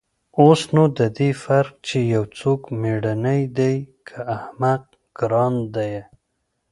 اوس نو د دې فرق چې يو څوک مېړنى دى که احمق گران ديه.